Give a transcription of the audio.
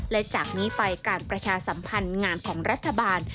และจากนี้ไปการประชาสัมพันธ์งานของรัฐบาล